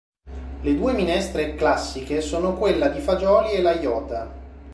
Le due minestre "classiche" sono quella di fagioli e la jota.